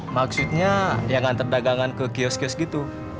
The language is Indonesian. maksudnya jangan terdagangan ke kios kios gitu